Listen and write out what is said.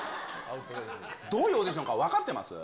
どういうオーディションか分かってます？